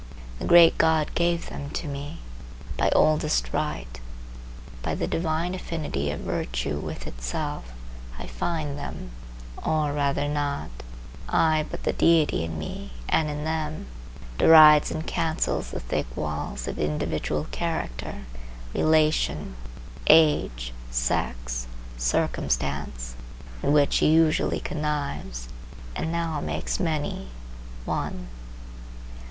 The great God gave them to me. By oldest right, by the divine affinity of virtue with itself, I find them, or rather not I but the Deity in me and in them derides and cancels the thick walls of individual character, relation, age, sex, circumstance, at which he usually connives, and now makes many one.